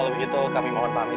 kalau begitu kami mohon pahami